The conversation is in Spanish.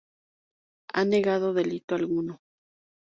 Ha negado delito alguno.